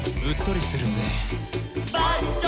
「うっとりするぜ」